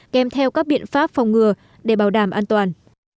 kèm theo các biện pháp phòng ngừa để bảo đảm an toàn